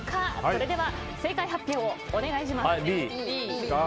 それでは正解発表お願いします。